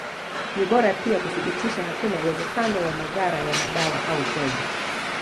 Ni bora pia kuthibitisha hakuna uwezekano wa madhara ya madawa au pombe.